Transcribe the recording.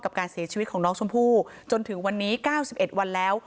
กับการเสียชีวิตของน้องชมพู่จนถึงวันนี้๙๑วันแล้ว